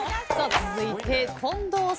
続いて近藤さん。